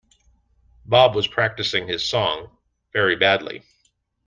Bob was practising his song, very badly.